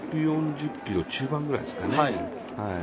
１４０キロ中盤くらいですかね